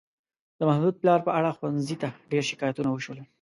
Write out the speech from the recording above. د محمود پلار په اړه ښوونځي ته ډېر شکایتونه وشول.